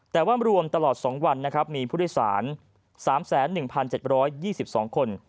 แต่ว่ารวมตลอด๒วันนะครับมีผู้โดยสาร๓๑๗๒๒คน